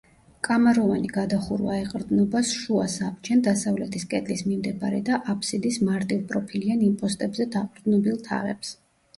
კამაროვანი გადახურვა ეყრდნობა შუა საბჯენ, დასავლეთის კედლის მიმდებარე და აფსიდის მარტივპროფილიან იმპოსტებზე დაყრდნობილ თაღებს.